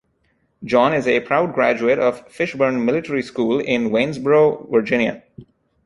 John is a proud graduate of Fishburne Military School in Waynesboro, Virginia.